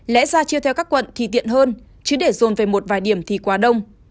lẽ ra chia theo các quận thì tiện hơn chứ để dồn về một vài điểm thì quá đông